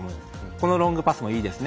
このロングパスもいいですね。